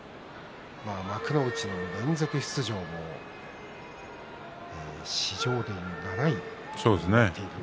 幕内の連続出場も史上７位。